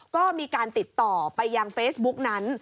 ก็มีการติดต่อไปยังเฟซบุ๊กนั้น